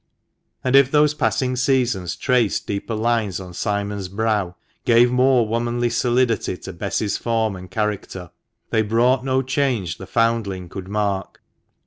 And if those passing seasons traced deeper lines on Simon's brow, gave more womanly solidity to Bess's form and character, they brought no change the foundling could mark.